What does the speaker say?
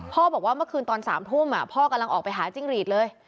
บอกว่าเมื่อคืนตอน๓ทุ่มพ่อกำลังออกไปหาจิ้งหรีดเลย